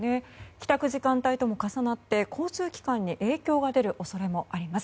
帰宅時間帯とも重なって交通機関に影響が出る恐れもあります。